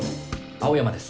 青山です。